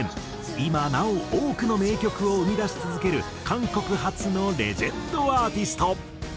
今なお多くの名曲を生み出し続ける韓国発のレジェンドアーティスト。